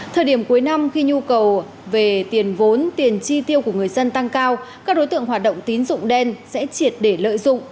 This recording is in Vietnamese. thời điểm cuối năm khi nhu cầu về tiền vốn tiền chi tiêu của người dân tăng cao các đối tượng hoạt động tín dụng đen sẽ triệt để lợi dụng